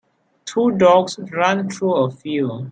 Two dogs run through a field.